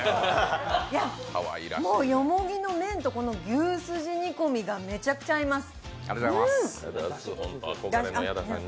もう、よもぎの麺と牛すじ煮込みがめちゃくちゃ合います。